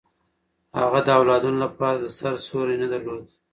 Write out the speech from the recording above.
هغه د اولادونو لپاره د سر سیوری نه درلود.